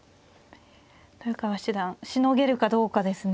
豊川七段しのげるかどうかですね。